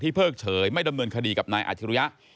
เพิ่งเฉยไม่ดำเนินคดีกับนายอาชิริยะ